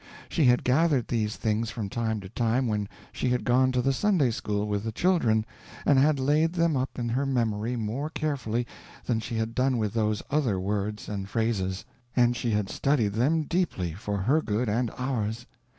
She had gathered these things from time to time when she had gone to the Sunday school with the children, and had laid them up in her memory more carefully than she had done with those other words and phrases; and she had studied them deeply, for her good and ours.